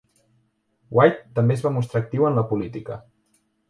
White també es va mostrar actiu en la política.